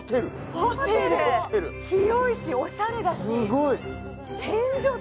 広いし、おしゃれだし。